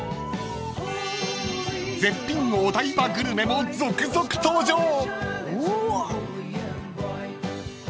［絶品お台場グルメも続々登場］